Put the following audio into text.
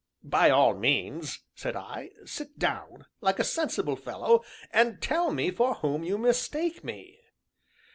"By all means," said I, "sit down, like a sensible fellow, and tell me for whom you mistake me."